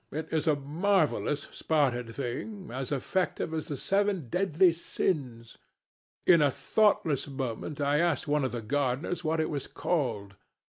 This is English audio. It was a marvellous spotted thing, as effective as the seven deadly sins. In a thoughtless moment I asked one of the gardeners what it was called.